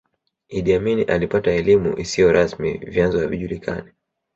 Idi Amin alipata elimu isiyo rasmi vyanzo haijulikani